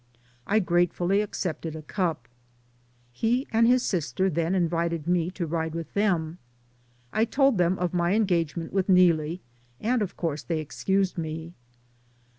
I gratefully accepted a cup. He and his sister then invited me to ride with them. I told them of my engagement with Neelie, and, of course, they excused me.